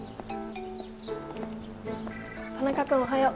田中君おはよう。